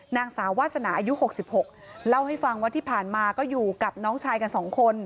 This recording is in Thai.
นางสาววาสนาอายุ๖๖เล่าให้ฟังว่าที่ผ่านมาก็อยู่กับน้องชายกัน๒คน